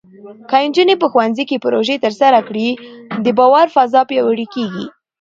که نجونې په ښوونځي کې پروژې ترسره کړي، د باور فضا پیاوړې کېږي.